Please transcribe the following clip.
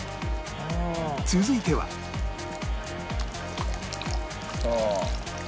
続いてはさあ。